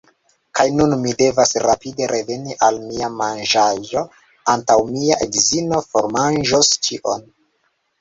Kaj nun mi devas rapide reveni al mia manĝaĵo, antaŭ mia edzino formanĝos ĉion.